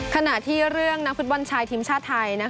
ขณะที่เรื่องนักฟุตบอลชายทีมชาติไทย